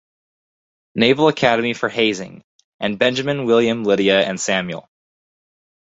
Naval Academy for hazing; and Benjamin, William, Lydia, and Samuel.